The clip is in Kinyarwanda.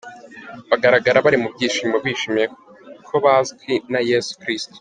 Bagaragara bari mu byishimo bishimiye ko bazwi na Yesu Kristo.